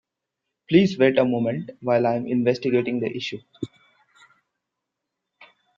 Please wait a moment while I am investigating the issue.